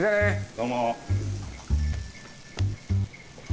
どうも。